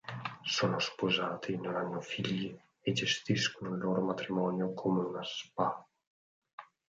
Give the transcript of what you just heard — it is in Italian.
Sono sposati, non hanno figli e gestiscono il loro matrimonio come una Spa.